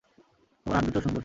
তোমার হাতদুটোও সুন্দর।